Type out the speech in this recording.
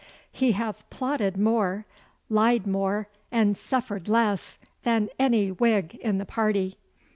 He hath plotted more, lied more, and suffered less than any Whig in the party.